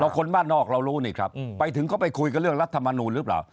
คนบ้านนอกเรารู้นี่ครับไปถึงเขาไปคุยกับเรื่องรัฐมนูลหรือเปล่า